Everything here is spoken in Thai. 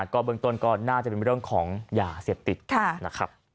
ก็เบื้องต้นก็น่าจะเป็นเรื่องของยาเสพติดนะครับ